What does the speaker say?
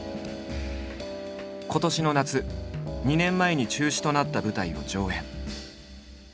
今年の夏２年前に中止となった舞台を上演。